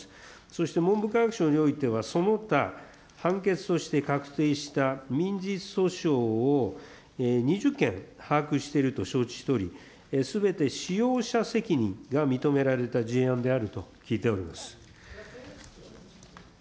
そして文部科学省においては、その他、判決として確定した民事訴訟を２０件把握していると承知しており、すべて使用者責任が認められた事案であると聞いております。